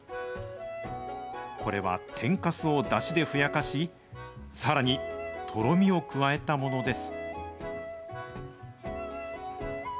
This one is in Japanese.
これは天かすをだしでふやかし、さらにとろみを加えたものです。